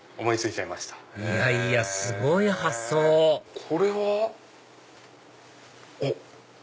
いやいやすごい発想これはおっ！